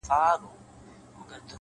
په سپوږمۍ كي زمـــا ژوندون دى ـ